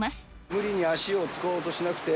無理に足をつこうとしなくて。